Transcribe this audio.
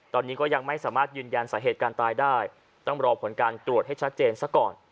ตอนนี้ก็ยังไม่สามารถยืนยันสาเหตุการตายได้ต้องรอผลการตรวจให้ชัดเจนซะก่อน